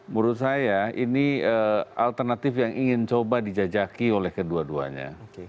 menurut saya ini alternatif yang ingin coba dijajaki oleh kedua duanya